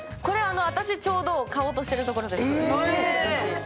私ちょうど買おうとしているところです。